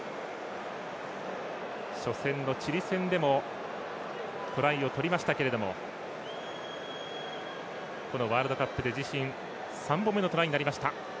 初戦のチリ戦でもトライを取りましたけどもこのワールドカップで自身３本目のトライになりました。